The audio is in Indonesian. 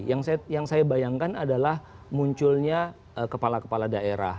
yang saya bayangkan adalah munculnya kepala kepala daerah